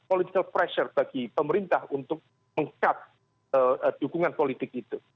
political pressure bagi pemerintah untuk mengkat dukungan politik itu